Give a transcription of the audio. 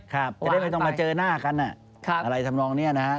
จะได้ไม่ต้องมาเจอหน้ากันอะไรทำนองนี้นะฮะ